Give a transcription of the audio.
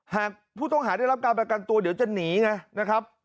หากผู้ต้องหาได้รับการประกันตัวเดี๋ยวจะหนีไงนะครับ